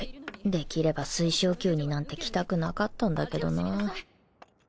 できれば水晶宮になんて来たくなかったんだけどなぁ